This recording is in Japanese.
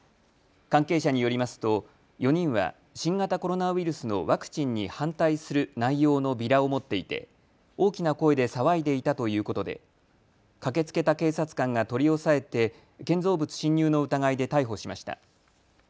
関係者によりますと４人は新型コロナウイルスのワクチンに反対する内容のビラを持っていて大きな声で騒いでいたということで駆けつけた警察官が取り押さえて建造物侵入の疑いで逮捕しました。